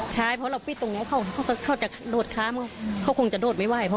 ใช่เพราะเราปิดตรงเนี้ยเขาเขาก็เขาจะโดดข้ามเขาคงจะโดดไม่ไหว